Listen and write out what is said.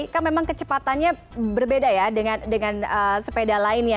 kan memang kecepatannya berbeda ya dengan sepeda lainnya